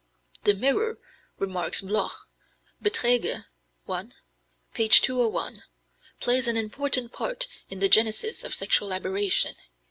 "The mirror," remarks Bloch (Beiträge 1, p. 201), "plays an important part in the genesis of sexual aberration....